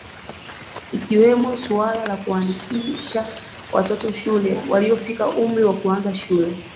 ikiwemo suala la kuwaandikisha watoto shule waliofikia umri wa kuanza shule